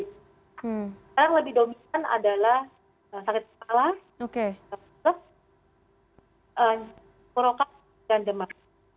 sekarang lebih dominan adalah sakit kepala sakit kepala kurokan dan demar